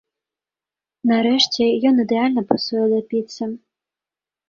Нарэшце, ён ідэальна пасуе да піцы.